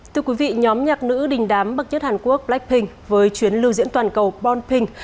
thưa quý vị nhóm nhạc nữ đình đám bậc nhất hàn quốc blackpink với chuyến lưu diễn toàn cầu boe ping